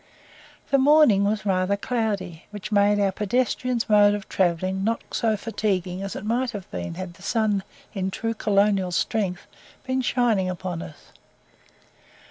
The morning was rather cloudy, which made our pedestrian mode of travelling not so fatiguing as it might have been, had the sun in true colonial strength been shining upon us.